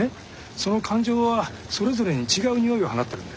その感情はそれぞれに違う匂いを放ってるんだ。